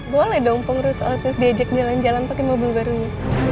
boleh dong pengurus osis diajak jalan jalan pakai mobil barunya